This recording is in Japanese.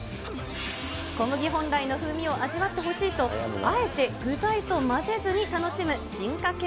小麦本来の風味を味わってほしいと、あえて具材と混ぜずに楽しむ進化系